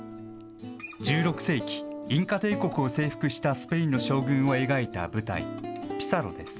１６世紀、インカ帝国を征服したスペインの将軍を描いた舞台「ピサロ」です。